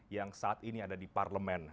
yang saat ini ada di parlemen